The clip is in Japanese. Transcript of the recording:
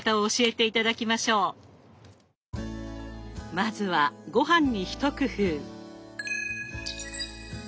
まずはごはんに一工夫。